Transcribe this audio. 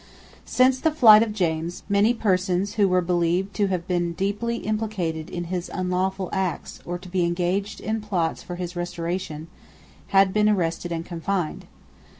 Since the flight of James many persons who were believed to have been deeply implicated in his unlawful acts, or to be engaged in plots for his restoration, had been arrested and confined.